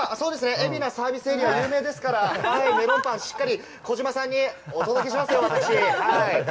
海老名サービスエリア、有名ですから、メロンパンしっかり児嶋さんにお届けしますよ、私。